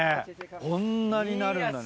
こんなになるんだね。